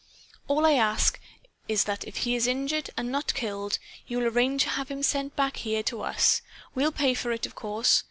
All I ask is that if he is injured and not killed, you'll arrange to have him sent back here to us. We'll pay for it, of course.